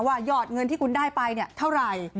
ว่ายอดเงินที่กูได้ไปเท่าไร